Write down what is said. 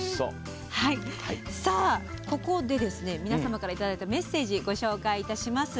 ここで、皆さんからいただいたメッセージをご紹介いたします。